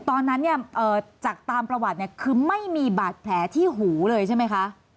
ตอนนั้นเนี่ยจากตามประวัติเนี่ยคือไม่มีบาดแผลที่หูเลยใช่ไหมคะ